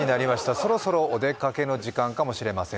そろそろお出かけの時間かもしれません。